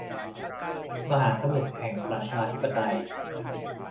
มหาสมุทรแห่งประชาธิปไตย